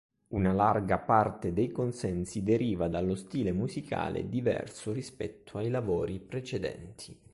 Una larga parte dei consensi deriva dallo stile musicale, diverso rispetto ai lavori precedenti.